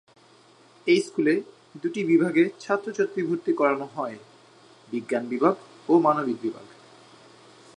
এই স্কুলে দুটি বিভাগে ছাত্রছাত্রী ভর্তি করানো হয়ঃ বিজ্ঞান বিভাগ ও মানবিক বিভাগ।